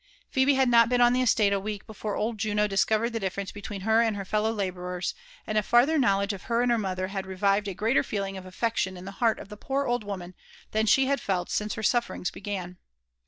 Phebe had not been on the estate a week before old Juno discovered the difference between her and her fellow labourers, and a farther knowledge of her and her mother had revived a greater feeling of affection in the heart of the poor old woman tlnn» ih« hfA t^iUmm her mSmnffi iMrgM*.